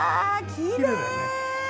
きれい！